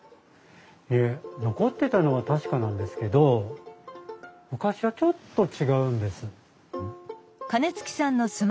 いえ残ってたのは確かなんですけど昔はちょっと違うんです。